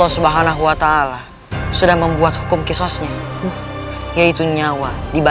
sampai jumpa di video selanjutnya